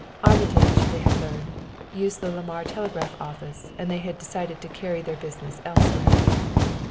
Armitage, they had learned, used the Lamar telegraph office and they had decided to carry their business elsewhere.